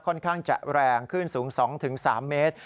ค่อนข้างจะแรงขึ้นสูง๒๓เมตร